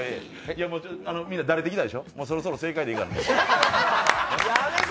みんなだれてきたでしょ、そろそろ正解でいいかなと思うて。